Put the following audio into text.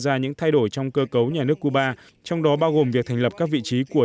ra những thay đổi trong cơ cấu nhà nước cuba trong đó bao gồm việc thành lập các vị trí của